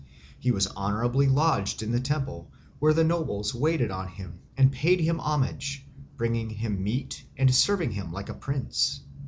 He was honourably lodged in the temple, where the nobles waited on him and paid him homage, bringing him meat and serving him like a prince.